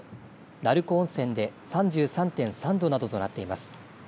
鳴子温泉で３３．３度などとなっています。